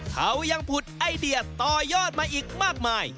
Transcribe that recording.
เขายังผุดไอเดียต่อยอดมาอีกมากมาย